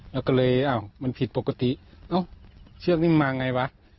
แล้วก็เลยอ้าวมันผิดปกติเอ้าเชือกนี้มันมาไงวะ